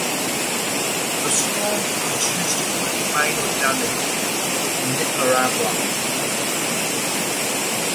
The storm produced only minor damage in Nicaragua.